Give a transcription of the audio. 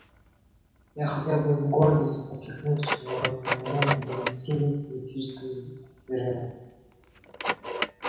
Я хотел бы с гордостью подчеркнуть, что народ Камеруна демонстрирует политическую зрелость.